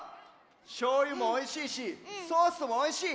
しょうゆもおいしいしソースもおいしい。